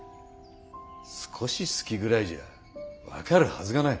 少し好きぐらいじゃ分かるはずがない。